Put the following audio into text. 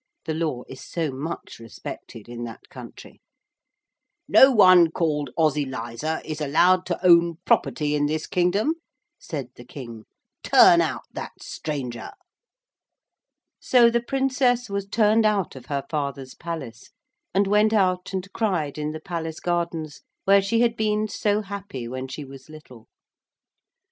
The law is so much respected in that country. 'No one called Ozyliza is allowed to own property in this kingdom,' said the King. 'Turn out that stranger.' So the Princess was turned out of her father's palace, and went out and cried in the palace gardens where she had been so happy when she was little.